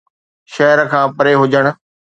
شهر کان پري هجڻ